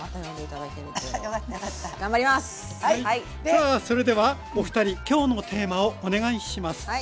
さあそれではお二人今日のテーマをお願いします。